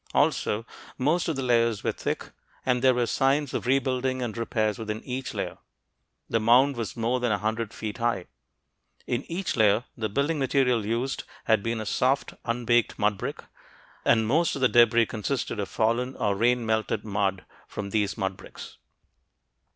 Also, most of the layers were thick, and there were signs of rebuilding and repairs within each layer. The mound was more than a hundred feet high. In each layer, the building material used had been a soft, unbaked mud brick, and most of the debris consisted of fallen or rain melted mud from these mud bricks.